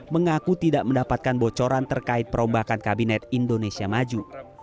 mengaku tidak mendapatkan bocoran terkait perombakan kabinet indonesia maju